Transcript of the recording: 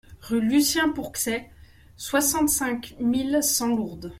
Rue Lucien Pourxet, soixante-cinq mille cent Lourdes